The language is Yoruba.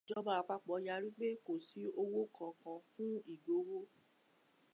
Ìjọba àpapọ̀ yarí pé kò sí owó kankan fún Ìgbòho.